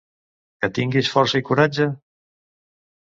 Que tinguis força i coratge?